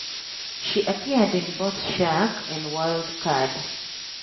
She appeared in both "Shark" and "Wild Card".